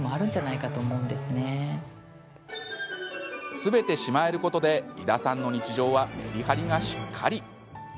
すべて、しまえることで井田さんの日常はメリハリがしっかり。